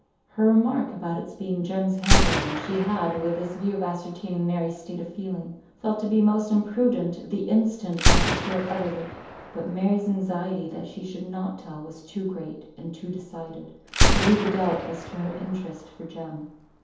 Her remark about its being Jem's hand writing, she had, with this view of ascertaining Mary's state of feeling, felt to be most imprudent the instant after she uttered it; but Mary's anxiety that she should not tell was too great, and too decided, to leave a doubt as to her interest for Jem.